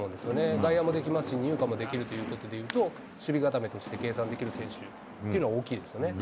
外野もできますし、２塁間もできるっていうことと、守備固めとして計算できる選手っていうのは大きいですよね。